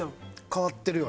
変わってるよね。